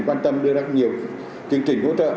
quan tâm đưa ra nhiều chương trình hỗ trợ